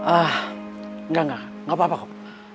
ah enggak enggak gak apa apa kop